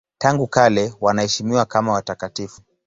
Tangu kale wanaheshimiwa kama watakatifu.